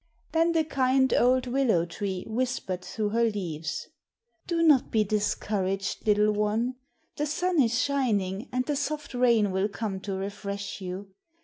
Then the kind old willow tree whispered through her leaves, "Do not be discouraged, little one. The sun is shining, and the soft rain will come to refresh you.